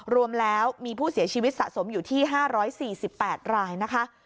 รวมแล้วมีผู้เสียชีวิตสะสมอยู่ที่๕๔๘รายนะคะ